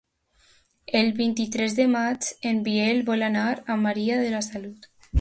El vint-i-tres de maig en Biel vol anar a Maria de la Salut.